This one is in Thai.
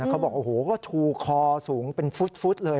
เขาบอกโอ้โหก็ชูคอสูงเป็นฟุตเลย